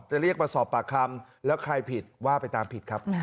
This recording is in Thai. เรียกมาสอบปากคำแล้วใครผิดว่าไปตามผิดครับ